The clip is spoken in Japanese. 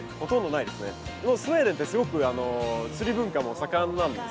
でもスウェーデンってすごく釣り文化も盛んなんですね。